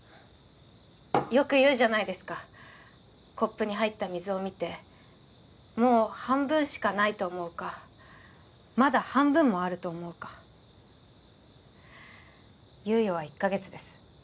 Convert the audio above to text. よく言うじゃないですかコップに入った水を見て「もう半分しかない」と思うか「まだ半分もある」と思うか猶予は１カ月です